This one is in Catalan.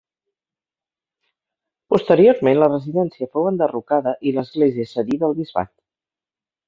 Posteriorment la residència fou enderrocada i l'església cedida al bisbat.